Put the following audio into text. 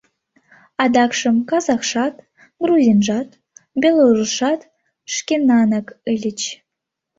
Адакшым казахшат, грузинжат, белорусшат шкенанак ыльыч.